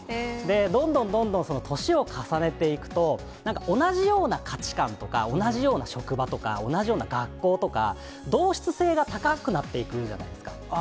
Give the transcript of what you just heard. どんどんどんどん年を重ねていくと、なんか同じような価値観とか、同じような職場とか、同じような学校とか、同質性が高くなっていくじゃないですか。